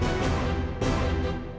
demi semua yang tetap